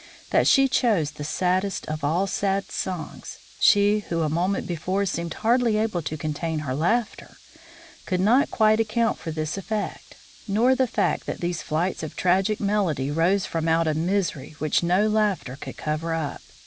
That she chose the saddest of all sad songs she who a moment before seemed hardly able to contain her laughter could not quite account for this effect; nor the fact that these flights of tragic melody rose from out a misery which no laughter could cover up.